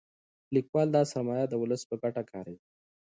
لیکوال دا سرمایه د ولس په ګټه کاروي.